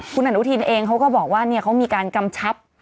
คุณอนุทินเองเขาก็บอกว่าเขามีการกำชับ